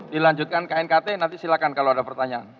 dilanjutkan knkt nanti silakan kalau ada pertanyaan